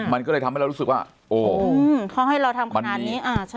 มันก็เลยทำให้เรารู้สึกว่าโอ้โหเขาให้เราทำขนาดนี้